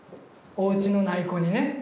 おうちのない子にね